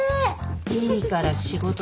いいから仕事して。